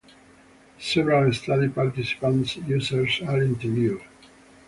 Several study participant users are interviewed.